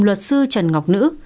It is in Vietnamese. luật sư trần ngọc nữ